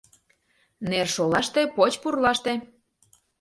Нер шолаште, поч пурлаште